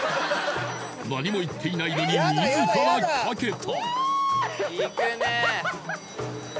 何も言っていないのに自らかけた